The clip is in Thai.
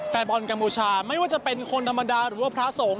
แฟนบอลกัมพูชาไม่ว่าจะเป็นคนธรรมดาหรือว่าพระสงฆ์